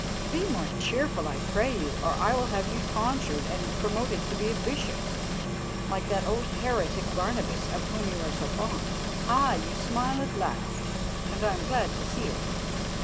Be more cheerful, I pray you, or I will have you tonsured and promoted to be a bishop, like that old heretic Barnabas of whom you are so fond. Ah! you smile at last, and I am glad to see it.